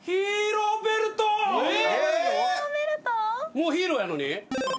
もうヒーローやのに？